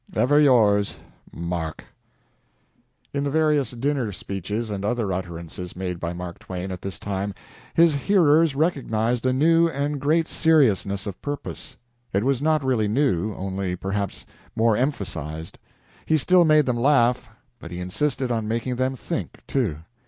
"Ever yours, MARK." In the various dinner speeches and other utterances made by Mark Twain at this time, his hearers recognized a new and great seriousness of purpose. It was not really new, only, perhaps, more emphasized. He still made them laugh, but he insisted on making them think, too.